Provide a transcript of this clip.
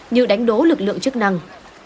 như đánh đố lực lượng chức năng